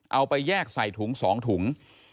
เอาไปแยกใส่ถุง๒ถุง